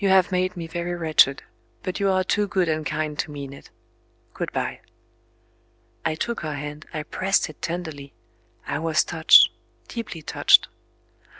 You have made me very wretched, but you are too good and kind to mean it. Good bye." I took her hand, I pressed it tenderly; I was touched, deeply touched.